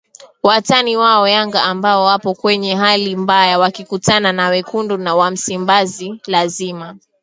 watani wao Yanga ambao wapo kwenye hali mbaya wakikutana na Wekundu wa Msimbazi lazima